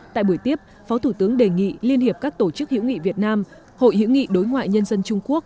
tại buổi tiếp phó thủ tướng đề nghị liên hiệp các tổ chức hữu nghị việt nam hội hữu nghị đối ngoại nhân dân trung quốc